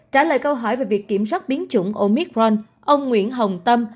trả lời câu hỏi về việc kiểm soát biến chủng omicron ông nguyễn hồng tâm